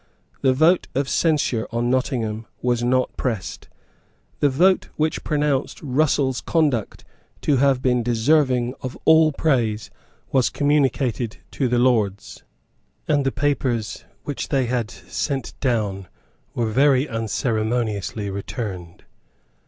The vote of censure on Nottingham was not pressed. The vote which pronounced Russell's conduct to have been deserving of all praise was communicated to the Lords; and the papers which they had sent down were very unceremoniously returned.